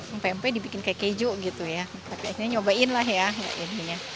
yang pempek dibikin kayak keju gitu ya pake ini nyobain lah ya